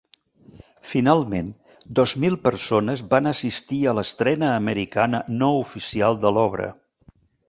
Finalment, dos mil persones van assistir a l'estrena americana no oficial de l'obra.